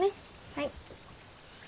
はい。